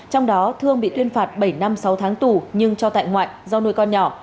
trong đó thương bị tuyên phạt bảy năm sáu tháng tù nhưng cho tại ngoại do nuôi con nhỏ